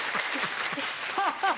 ハハハ！